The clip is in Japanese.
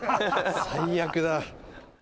「最悪だ」